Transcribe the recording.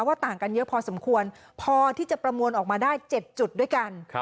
ต่างกันเยอะพอสมควรพอที่จะประมวลออกมาได้๗จุดด้วยกัน